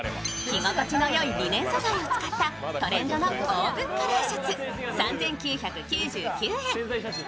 着心地のよいリネンシャツを使ったトレンドのオープンカラーシャツ３９９９円。